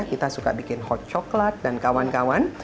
kita suka bikin hot coklat dan kawan kawan